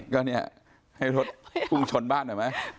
ก็เนี่ยให้รถพุ่งชนบ้านหน่อยไหม